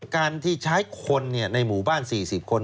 การที่ใช้คนในหมู่บ้าน๔๐คน